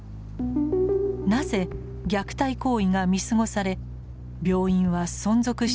なぜ虐待行為が見過ごされ病院は存続し続けてきたのでしょうか。